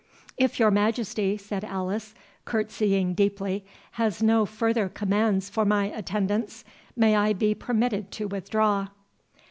"If your Majesty," said Alice, curtsying deeply, "has no farther commands for my attendance, may I be permitted to withdraw?"